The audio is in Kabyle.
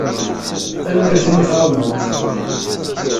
Tanemmirt imi i t-tɛawneḍ.